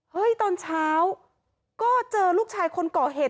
ตอนเช้าก็เจอลูกชายคนก่อเหตุ